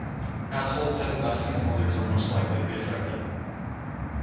Households headed by single mothers are most likely to be affected.